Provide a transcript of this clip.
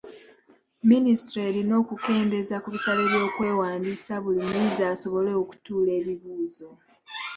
Minisitule erina okukendeeza ku bisale by'okwewandiisa buli muyizi asobole okutuula ebibuuzo.